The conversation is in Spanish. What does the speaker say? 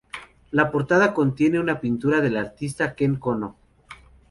La portada contiene una pintura del artista Ken Konno.